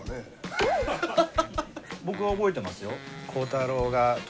僕は覚えてますよ。